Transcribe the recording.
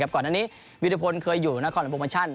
ก่อนนั้นนี้วีดพลเคยอยู่บนนักคอนหลวงโปรโมชั่น